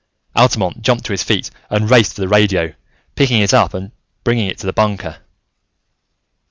Altamont jumped to his feet and raced for the radio, picking it up and bring it to the bunker.